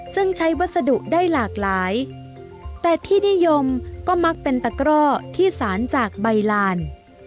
ซึ่งใช้วัสดุได้หลากหลายแต่ที่นิยมก็มักเป็นตะกร่อที่สารจากใบลาน